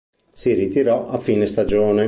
Si ritirò a fine stagione.